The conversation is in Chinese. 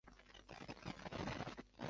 而师云砵桥一段为四线双程。